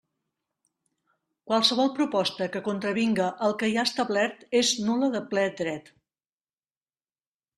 Qualsevol proposta que contravinga el que hi ha establert és nul·la de ple dret.